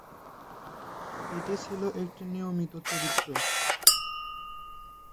এটি ছিল একটি নিয়মিত চরিত্র।